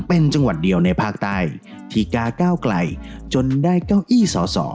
เป็นจังหวัดเดียวในภาคใต้ที่กาก้าวไกลจนได้เก้าอี้สอสอ